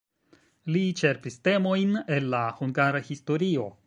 Li ĉerpis temojn el la hungara historio.